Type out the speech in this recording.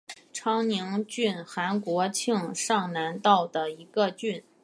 昌宁郡韩国庆尚南道的一个郡。